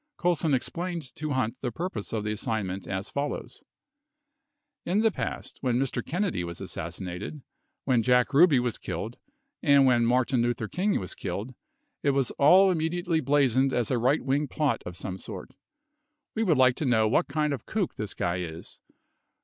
Colson explained to Hunt the purpose of the assignment as follows : In the past, when Mr. Kennedy was assassinated, when Jack Ruby was killed, and when Martin Luther King was killed, it was all immediately blazoned as a right wing plot of some sort. We would like to know what kind of kook this guy is.